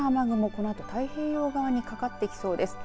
このあと、太平洋側にかかってきそうです。